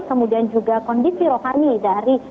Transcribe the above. kemudian juga kondisi rohani dari